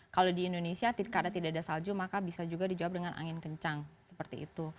kalau di indonesia karena tidak ada salju maka bisa juga dijawab dengan angin kencang seperti itu